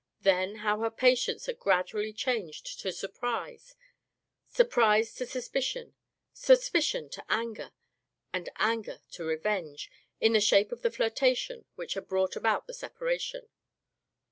Then, how her patience had gradually changed to surprise, sur prise to suspicion, suspicion to anger, and anger to revenge in the shape of the flirtation which had brought about the separation.